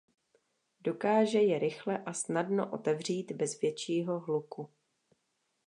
Dokáže je rychle a snadno otevřít bez většího hluku.